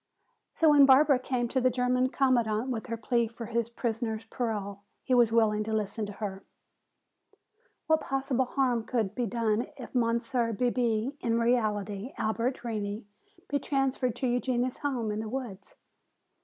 So when Barbara came to the German commandant with her plea for his prisoner's parole, he was willing to listen to her. "What possible harm could be done if Monsieur Bebé, in reality Albert Reney, be transferred to Eugenia's home in the woods?